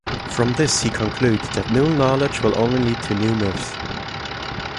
From this he concludes that new knowledge will only lead to new myths.